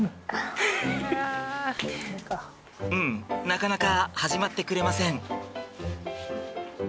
なかなか始まってくれません。